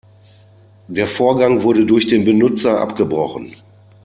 Der Vorgang wurde durch den Benutzer abgebrochen.